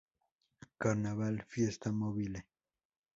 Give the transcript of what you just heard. Carnaval: Fiesta movible.